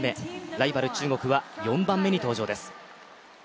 ライバルの中国は４番目に登場です